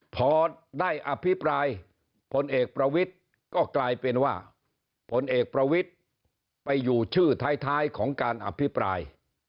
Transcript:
พอได้อภิปรายพลเอกประวิทย์ก็กลายเป็นว่าผลเอกประวิทธิ์ไปอยู่ชื่อท้ายของการอภิปราย